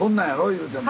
いうても。